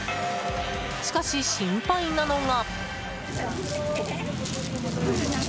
しかし、心配なのが。